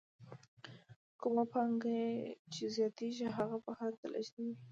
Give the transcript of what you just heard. کومه پانګه یې چې زیاتېږي هغه بهر ته لېږدوي